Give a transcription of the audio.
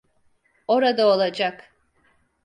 Orada olacak.